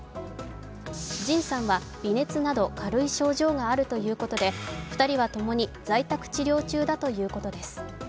ＪＩＮさんは微熱など軽い症状があるということで２人はともに在宅治療中だということです。